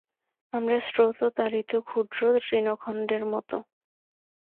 আমরা স্রোত-তাড়িত ক্ষুদ্র তৃণখণ্ডের মত।